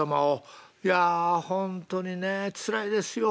いやほんとにねつらいですよ」。